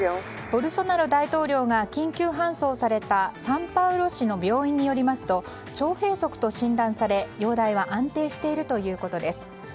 ボルソナロ大統領が緊急搬送されたサンパウロ市の病院によりますと腸閉塞と診断され、容体は安定しているということです。